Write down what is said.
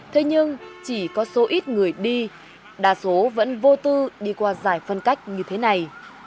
thế nhưng chỉ có số ít người đi đa số vẫn vô tư đi qua giải phân cách như thế này